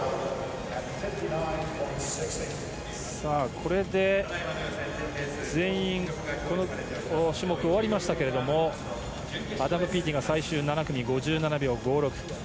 これで全員、この種目終わりましたがアダム・ピーティが最終７組、５７秒５６。